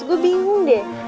gue bingung deh